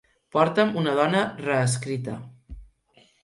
Porta'm una dona reescrita.